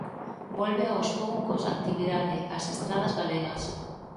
Volve aos poucos a actividade ás estradas galegas.